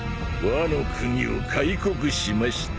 ワノ国を開国しました？